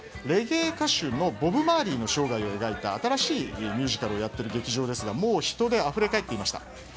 レゲエ歌手のボブ・マーリーの生涯を描いた新しいミュージカルをやっている劇場ですが人であふれかえっていました。